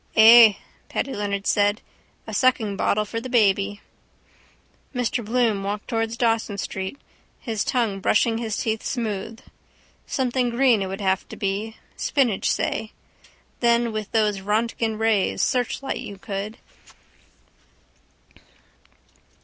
—Ay, Paddy Leonard said. A suckingbottle for the baby. Mr Bloom walked towards Dawson street, his tongue brushing his teeth smooth. Something green it would have to be: spinach, say. Then with those Röntgen rays searchlight you could.